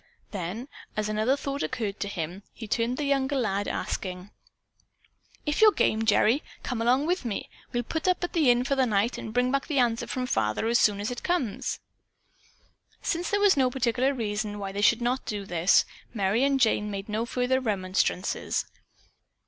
Then, as another thought occurred to him, he turned to the younger lad, asking, "If you're game, Gerry, come along with me. We'll put up at the inn for the night and bring back the answer from father as soon as it comes." Since there was no particular reason why they should not do this, Merry and Jane made no further remonstrances.